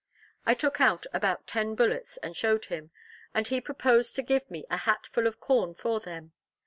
I took out about ten bullets, and showed him; and he proposed to give me a hat full of corn for them.